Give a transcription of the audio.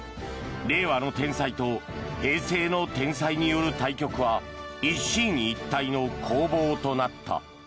令和の天才と平成の天才による対局は一進一退の攻防となった。